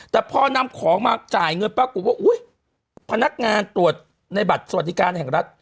แต่พอนำของมาจ่ายเงินปรากฏว่าอุ๊ยพนักงานตรวจในบัตรสวัสดิการแห่งรัฐ